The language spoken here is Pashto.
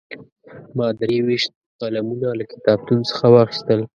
ما درې ویشت قلمونه له کتابتون څخه واخیستل.